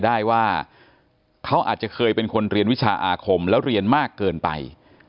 ได้ว่าเขาอาจจะเคยเป็นคนเรียนวิชาอาคมแล้วเรียนมากเกินไป